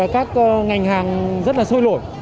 các ngành hàng rất là sôi lổi